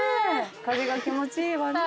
風が気持ちいいわね。